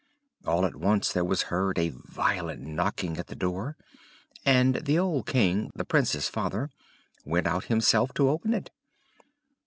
All at once there was heard a violent knocking at the door, and the old King, the Prince's father, went out himself to open it.